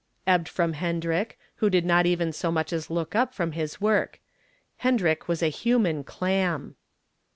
ebbed from Hendrick, who did not even so much as look up from his work. Hendrick was a human clam.